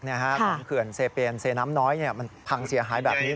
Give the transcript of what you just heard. ของเขื่อนเซเปียนเซน้ำน้อยมันพังเสียหายแบบนี้